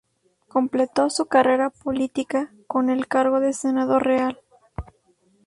Completó su carrera política con el cargo de senador real.